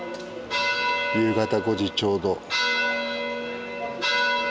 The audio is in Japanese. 夕方５時ちょうど。